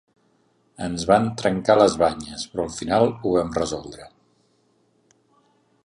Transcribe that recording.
Ens vam trencar les banyes, però al final ho vam resoldre.